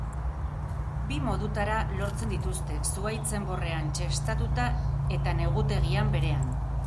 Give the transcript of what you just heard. Bi modutara lortzen dituzte, zuhaitz enborrean txestatuta eta negutegian berean.